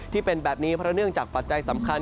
ที่เป็นแบบนี้เพราะเนื่องจากปัจจัยสำคัญ